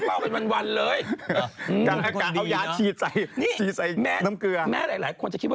แม้หลายคนภิกษาพิธีไดภาพ